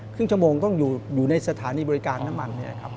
ครึ่งชั่วโมงต้องอยู่ในสถานีบริการน้ำมัน